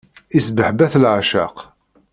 Isbehba-t leεceq.